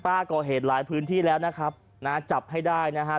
ป้าก็เหตุรายพื้นที่แล้วนะครับจับให้ได้นะครับ